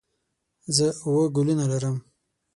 زه اووه ګلونه لرم.